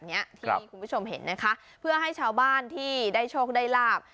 เนี้ยที่คุณผู้ชมเห็นนะคะเพื่อให้ชาวบ้านที่ได้โชคได้ลาบ